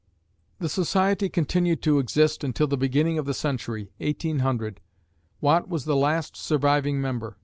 The society continued to exist until the beginning of the century, 1800. Watt was the last surviving member.